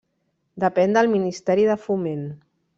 Depèn del Ministeri de Foment.